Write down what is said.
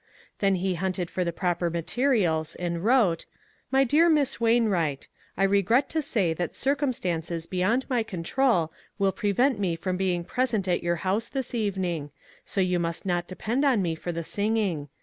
Then he hunted for the proper materials and wrote : MY DEAR Miss WAINWBIGUT: I regret to say that circumstances beyond my control will prevent me from being present at your house this evening, so you must not depend on me for the singing.